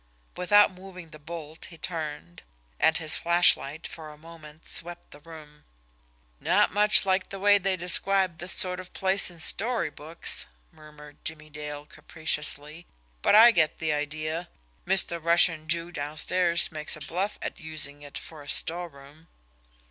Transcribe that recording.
Without moving the bolt, he turned and his flashlight for a moment swept the room. "Not much like the way they describe this sort of place in storybooks!" murmured Jimmie Dale capriciously. "But I get the idea. Mr. Russian Jew downstairs makes a bluff at using it for a storeroom."